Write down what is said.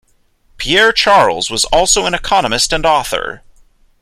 Pierre-Charles was also an economist and author.